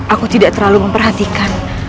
aku tidak terlalu memperhatikan